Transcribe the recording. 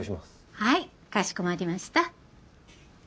はいかしこまりました。